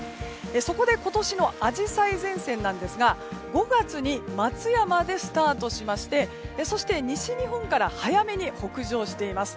そこで今年のアジサイ前線ですが５月に松山でスタートしましてそして、西日本から早めに北上しています。